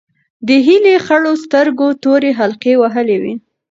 د هیلې خړو سترګو تورې حلقې وهلې وې.